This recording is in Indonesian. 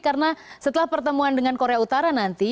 karena setelah pertemuan dengan korea utara nanti